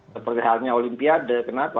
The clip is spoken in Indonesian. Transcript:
seperti halnya olimpiade kenapa